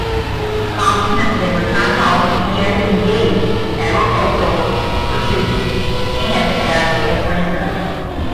Compton then returned home and engaged in agricultural pursuits and as a planter.